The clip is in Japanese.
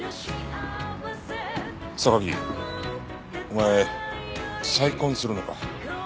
お前再婚するのか？